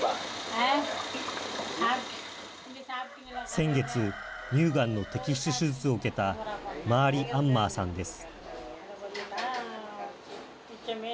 先月乳がんの摘出手術を受けたマーリ・アンマーさんです。